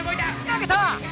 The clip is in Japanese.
投げた！